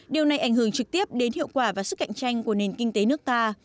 điều này ảnh hưởng trực tiếp đến hiệu quả và sức cạnh tranh của nền kinh tế nước ta